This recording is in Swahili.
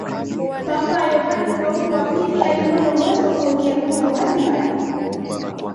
papa yohane paulo wa pili alikuwa na uwezo wa kuongea lugha mbalimbali